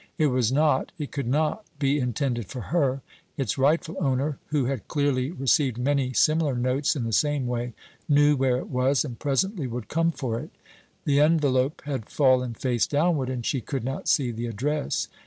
It was not, it could not be intended for her! Its rightful owner, who had clearly received many similar notes in the same way, knew where it was and presently would come for it. The envelope had fallen face downward, and she could not see the address.